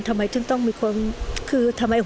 สวัสดีครับ